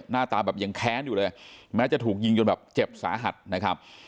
หน้าตาแบบยังแค้นอยู่เลยแม้จะถูกยิงจนแบบเจ็บสาหัสนะครับ